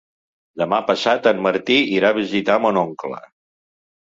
Demà passat en Martí irà a visitar mon oncle.